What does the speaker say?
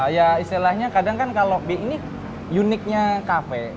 ya istilahnya kadang kan kalau b ini uniknya kafe